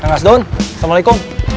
kang kasdun assalamualaikum